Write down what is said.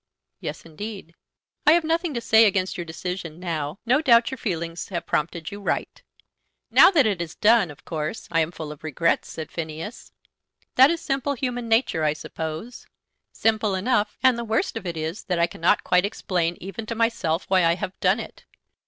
"Yes, indeed." "I have nothing to say against your decision now. No doubt your feelings have prompted you right." "Now that it is done, of course I am full of regrets," said Phineas. "That is simple human nature, I suppose." "Simple enough; and the worst of it is that I cannot quite explain even to myself why I have done it.